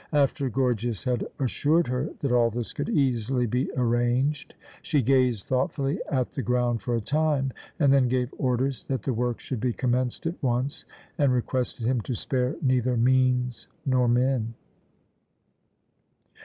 After Gorgias had assured her that all this could easily be arranged, she gazed thoughtfully at the ground for a time, and then gave orders that the work should be commenced at once, and requested him to spare neither means nor men.